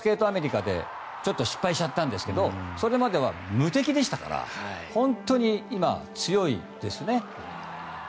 アメリカでちょっと失敗しちゃったんですがそれまでは無敵でしたから本当に今、強いですね。